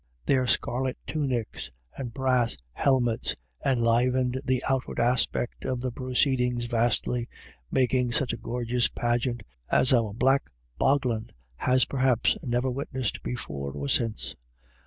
Their scarlet tunics and brass helmets 158 IRISH IDYLLS. enlivened the outward aspect of the proceedings vastly, making such a gorgeous pageant as our black bogland has perhaps never witnessed before or since.